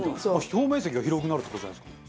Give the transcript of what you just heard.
表面積が広くなるって事じゃないですか？